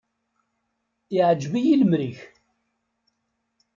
Iɛǧeb-iyi lemri-k.